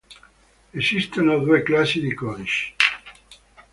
Esistono due classi di codici.